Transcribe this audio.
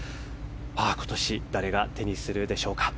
今年、誰が手にするでしょうか。